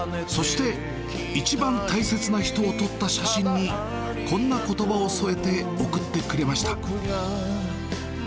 そして、一番大切な人を撮った写真に、こんなことばを添えて送ってくれました。